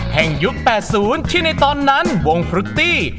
ยุค๘๐ที่ในตอนนั้นวงพรุตตี้